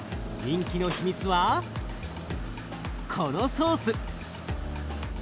人気の秘密はこのソース。